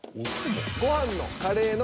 「ごはんの」「カレーの」